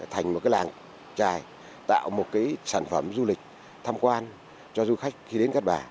thành một cái làng trài tạo một cái sản phẩm du lịch tham quan cho du khách khi đến cát bà